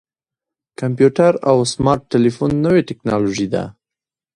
کمپیوټر او سمارټ ټلیفون نوې ټکنالوژي ده.